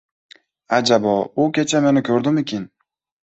Ajabo, u kecha meni ko‘rdimikin?